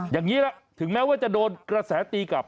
อย่างนี้ละถึงแม้ว่าจะโดนกระแสตีกลับ